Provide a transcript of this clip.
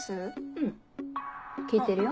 うん聞いてるよ。